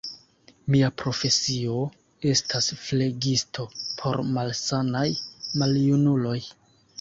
Mia profesio estas flegisto por malsanaj maljunuloj.